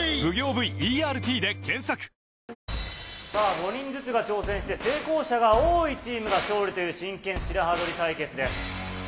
５人ずつが挑戦して、成功者が多いチームが勝利という真剣白刃取り対決です。